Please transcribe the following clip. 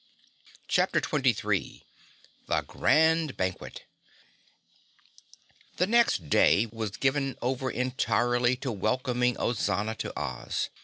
CHAPTER 23 The Grand Banquet The next day was given over entirely to welcoming Ozana to Oz.